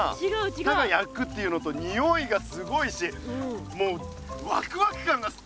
ただやくっていうのとにおいがすごいしもうワクワク感がぜんぜんちがうよ。